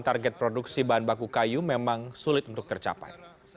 target produksi bahan baku kayu memang sulit untuk tercapai